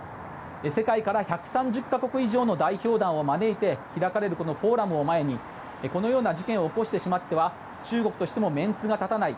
世界から１３０か国以上の代表団を招いて開かれるこのフォーラムを前にこのような事件を起こしてしまっては中国としてもメンツが立たない。